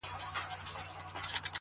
که مي د دې وطن له کاڼي هم کالي څنډلي;